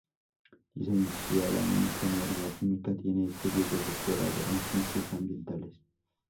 Licenciada en ingeniería química, tiene estudios de doctorado en Ciencias ambientales.